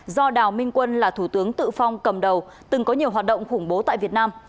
do đào minh quân là thủ tướng tự phong cầm đầu từng có nhiều hoạt động khủng bố tại việt nam